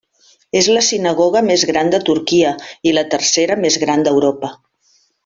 És la sinagoga més gran de Turquia i la tercera més gran d'Europa.